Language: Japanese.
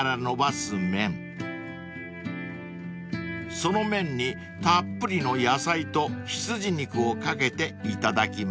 ［その麺にたっぷりの野菜と羊肉を掛けていただきます］